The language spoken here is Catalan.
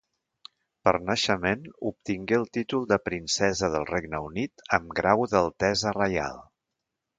Per naixement obtingué el títol de princesa del Regne Unit amb grau d'Altesa Reial.